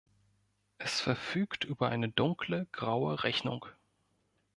Es verfügt über eine dunkle, graue Rechnung.